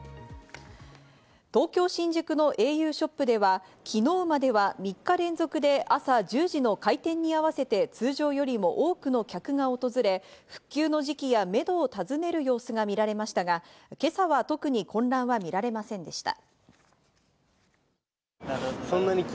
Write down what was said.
東京・新宿のａｕショップでは昨日までは３日連続で朝１０時の開店に合わせて通常よりも多くの客が訪れ、復旧の時期や、メドを尋ねる様子が見られましたが、今朝は特に混乱は見られませんでした。